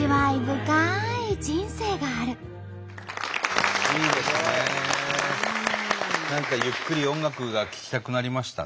何かゆっくり音楽が聴きたくなりましたね。